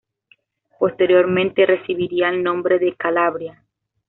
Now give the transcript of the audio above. Posteriormente recibiría el nombre de Calabria.